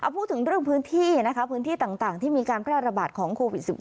พูดถึงเรื่องพื้นที่นะคะพื้นที่ต่างที่มีการแพร่ระบาดของโควิด๑๙